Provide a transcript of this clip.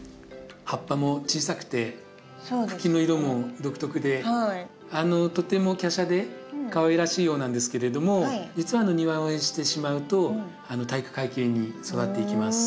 葉っぱも小さくて茎の色も独特でとてもきゃしゃでかわいらしいようなんですけれども実は庭植えしてしまうと体育会系に育っていきます。